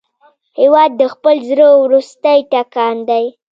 هېواد د خپل زړه وروستی ټکان دی.